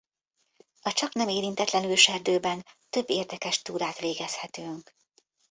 A csaknem érintetlen őserdőben több érdekes túrát végezhetünk.